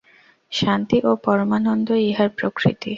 শান্তি ও পরমানন্দই ইহার প্রকৃতি।